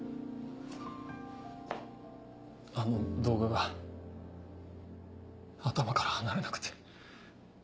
あの動画が頭から離れなくて。